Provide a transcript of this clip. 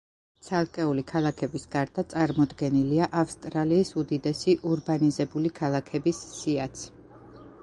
ცალკეული ქალაქების გარდა, წარმოდგენილია ავსტრალიის უდიდესი ურბანიზებული ქალაქების სიაც.